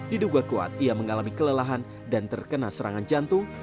diduga kuat ia mengalami kelelahan dan terkena serangan jantung